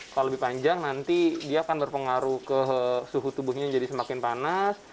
kalau lebih panjang nanti dia akan berpengaruh ke suhu tubuhnya jadi semakin panas